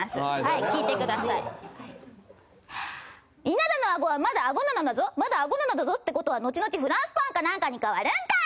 稲田のあごはまだあごなのだぞまだあごなのだぞってことは後々フランスパンか何かに変わるんかい！